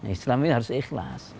islam ini harus ikhlas